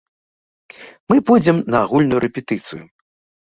Мы пойдзем на агульную рэпетыцыю.